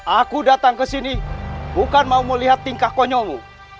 aku datang ke sini bukan mau melihat tingkah konyolmu